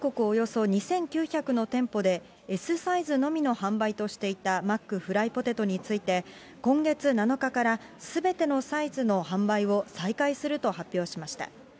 およそ２９００の店舗で、Ｓサイズのみの販売としていたマックフライポテトについて、今月７日から、すべてのサイズの販売を再開すると発表しました。